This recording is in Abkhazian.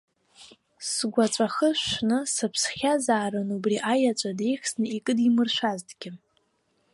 Сгәаҵәахы шәны, сыԥсхьазаарын убри аеҵәа деихсны икыдимыршәазҭгьы.